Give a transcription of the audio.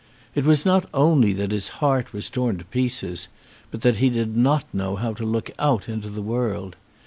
It was not only that his heart was torn to pieces, but that he did not know how to look out into the world.